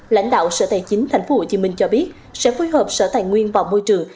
lãnh đạo sở tài chính tp hcm cho biết sẽ phối hợp sở tài nguyên và môi trường